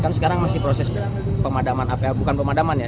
kan sekarang masih proses pemadaman bukan pemadaman ya